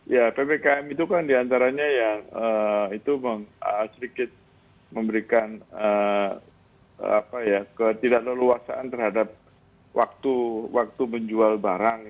ya ppkm itu kan diantaranya ya itu sedikit memberikan ketidakleluasaan terhadap waktu menjual barang